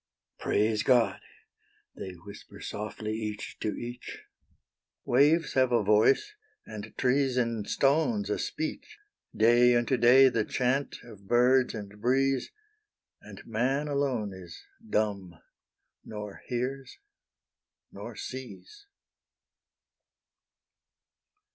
Praise God! they whisper softly each to each; Waves have a voice, and trees and stones a speech; Day unto day the chant of birds and breeze, And man alone is dumb, nor hears, nor sees.